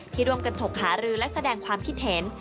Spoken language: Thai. ที่ร่วมกันถกหารือและแสดงความคิดเห็น